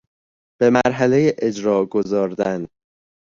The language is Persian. به مرحله اجراء گذاردن